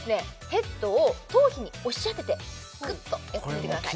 ヘッドを頭皮に押し当ててグッとやってみてください